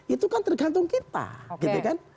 itu kan tergantung kita gitu kan